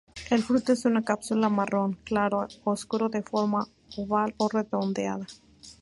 El fruto es una cápsula marrón claro a oscuro de forma oval o redondeada.